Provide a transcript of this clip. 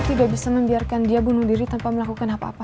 tidak bisa membiarkan dia bunuh diri tanpa melakukan apa apa